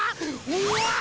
うわ！